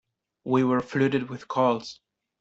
We were flooded with calls.